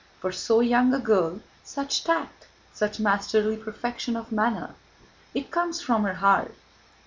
For so young a girl, such tact, such masterly perfection of manner! It comes from her heart.